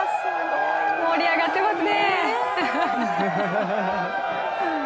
盛り上がってますね！